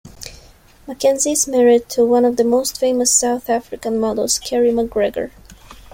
McKenzie is married to one of the most famous South African models, Kerry McGregor.